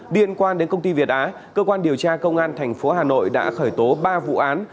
liên quan đến công ty việt á cơ quan điều tra công an tp hà nội đã khởi tố ba vụ án